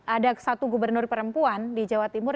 ada satu gubernur perempuan di jawa timur